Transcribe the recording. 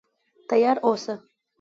تیار اوسه.